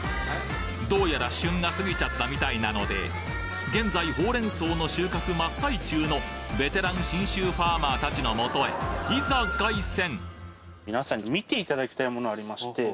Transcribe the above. どうやら旬が過ぎちゃったみたいなので現在ほうれん草の収穫真っ最中のベテラン信州ファーマー達のもとへいざ凱旋！